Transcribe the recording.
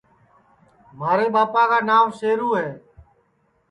مھارے ٻاپا کا ناو شیرو ہے